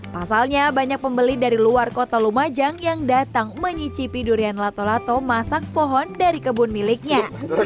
pasalnya banyak pembeli dari luar kota lumajang yang datang menyicipi durian lato lato masak pohon dari kebun miliknya